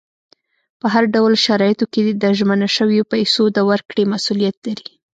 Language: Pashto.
په هر ډول شرایطو کې د ژمنه شویو پیسو د ورکړې مسولیت لري.